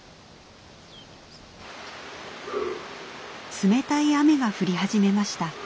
冷たい雨が降り始めました。